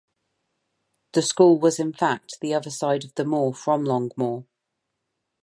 The school was in fact the other side of the moor from Longmoor.